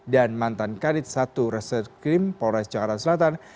dan mantan kadit satu reskrim polres cakarang selatan